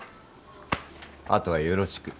あとはよろしく。